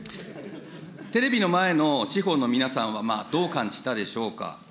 テレビの前の地方の皆さんは、どう感じたでしょうか。